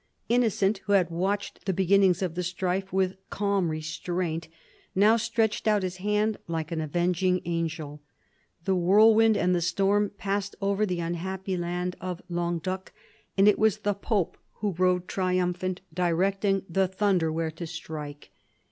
Innocent, who had watched the beginnings of the strife with calm restraint, now stretched out his hand like an avenging angel. The whirlwind and the storm passed over the unhappy land of Languedoc, and it was the pope who rode triumphant, directing the thunder where to strike.